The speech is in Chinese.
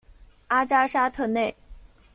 阿扎沙特内。